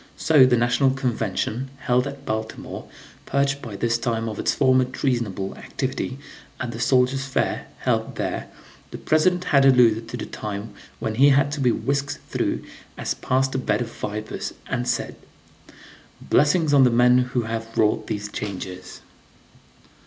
So the National Convention, held at Baltimore, purged by this time of its former treasonable activity, at the Soldiers' Fair, held there, the President had alluded to the time when he had to be whisked through as past a bed of vipers, and said: "Blessings on the men who have wrought these changes!"